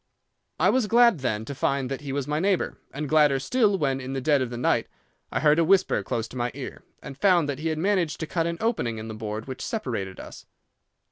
I was glad, then, to find that he was my neighbour, and gladder still when, in the dead of the night, I heard a whisper close to my ear, and found that he had managed to cut an opening in the board which separated us.